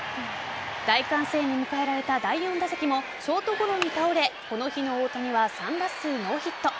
大歓声に迎えられた第４打席もショートゴロに倒れこの日の大谷は３打数ノーヒット。